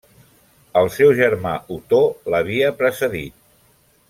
El seu germà Otó l'havia precedit.